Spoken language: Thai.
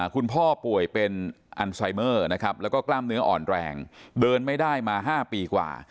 คุณพ่อป่วยเป็นอันไซเมอร์นะครับแล้วก็กล้ามเนื้ออ่อนแรงเดินไม่ได้มา๕ปีกว่า